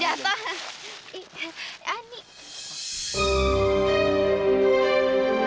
mbak maaf mbak orangnya